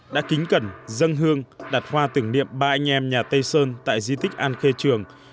đã kính cẩn dân hương đặt hoa tưởng niệm ba anh em nhà tây sơn tại di tích an khê trường